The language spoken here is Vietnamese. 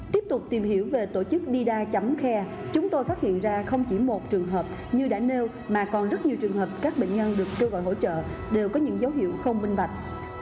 tiếp tục tìm hiểu về tổ chức dida khe chúng tôi phát hiện ra không chỉ một trường hợp như đã nêu mà còn rất nhiều trường hợp các bệnh nhân được kêu gọi hỗ trợ đều có những dấu hiệu không minh bạch